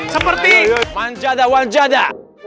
seperti manjada wajada